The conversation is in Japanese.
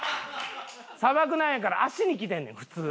砂漠なんやから足にきてんねん普通。